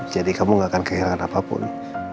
jadi kamu gak akan kehilangan apapun